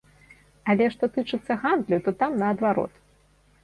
Але што тычыцца гандлю, то там наадварот.